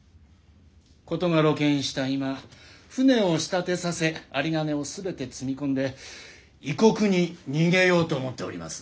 事が露見した今船を仕立てさせ有り金をすべて積み込んで異国に逃げようと思っております。